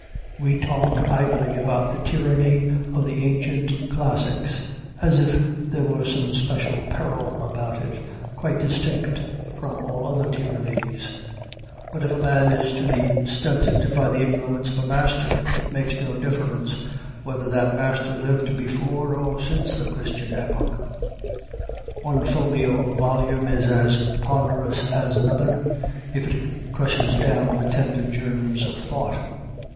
We talk idly about the tyranny of the ancient classics, as if there were some special peril about it, quite distinct from all other tyrannies. But if a man is to be stunted by the influence of a master, it makes no difference whether that master lived before or since the Christian epoch. One folio volume is as ponderous as another, if it crushes down the tender germs of thought.